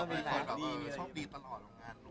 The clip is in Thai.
บางทีเค้าแค่อยากดึงเค้าต้องการอะไรจับเราไหล่ลูกหรือยังไง